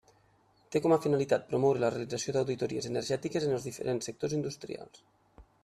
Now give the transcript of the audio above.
Té com a finalitat promoure la realització d'auditories energètiques en els diferents sectors industrials.